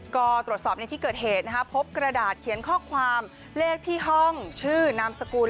ก็ตรวจสอบในที่เกิดเหตุนะครับพบกระดาษเขียนข้อความเลขที่ห้องชื่อนามสกุล